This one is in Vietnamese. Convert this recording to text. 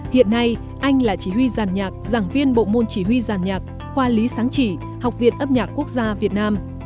hiện nay anh là chỉ huy giàn nhạc giảng viên bộ môn chỉ huy giàn nhạc khoa lý sáng chỉ học viện âm nhạc quốc gia việt nam